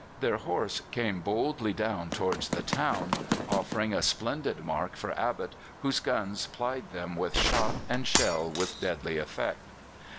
Their horse came boldly down towards the town, offering a splendid mark for Abbott, whose guns plied them with shot and shell with deadly effect.